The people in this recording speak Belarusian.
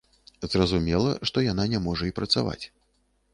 Зразумела, што яна не можа і працаваць.